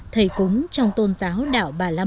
thầy cúng trong tôn giáo đạo bà lê